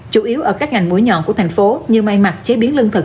chủ yếu ở các ngành mũi nhọn của thành phố như may mặt chế biến lương thực